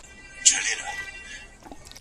موږ په یوه لوی مېز باندې ډوډۍ وخوړه.